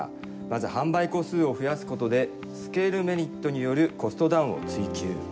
まず販売個数を増やすことでスケールメリットによるコストダウンを追求。